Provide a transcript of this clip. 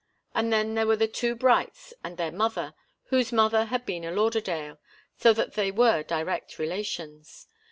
And then there were the two Brights and their mother, whose mother had been a Lauderdale, so that they were direct relations.